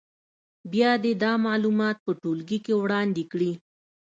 بیا دې دا معلومات په ټولګي کې وړاندې کړي.